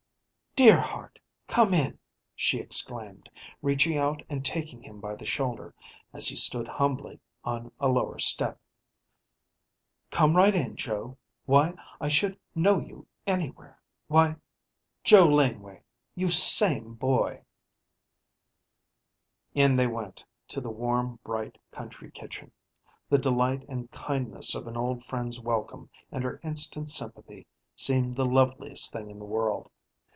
"Dear heart, come in!" she exclaimed, reaching out and taking him by the shoulder, as he stood humbly on a lower step. "Come right in, Joe. Why, I should know you anywhere! Why, Joe Laneway, you same boy!" In they went to the warm, bright, country kitchen. The delight and kindness of an old friend's welcome and her instant sympathy seemed the loveliest thing in the world.